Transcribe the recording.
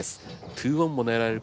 ２オンも狙える